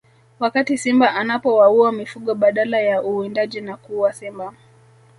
Wakati simba anapowaua mifugo badala ya uwindaji na kuua simba